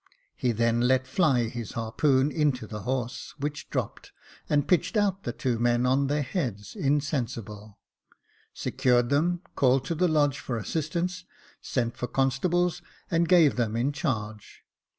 He then let fly his harpoon into the horse, which dropped, and pitched out the two men on their heads insensible ; secured them, called to the lodge for assistance, sent for constables, and gave them in charge.